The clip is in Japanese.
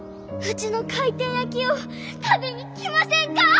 うちの回転焼きを食べに来ませんか？